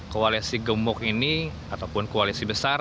koalisi gemuk ini ataupun koalisi besar